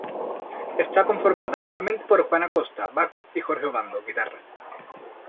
Está conformada actualmente por Juan Acosta, Bajo y Jorge Obando, Guitarra.